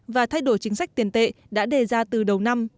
và thay đổi chính sách tiền tệ đã đề ra từ đầu năm